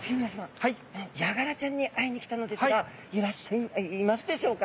ヤガラちゃんに会いに来たのですがいますでしょうか。